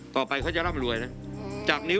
ต่อไปเขาจะรับมารวยนะ